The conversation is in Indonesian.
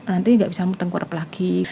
nanti tidak bisa tengkurap lagi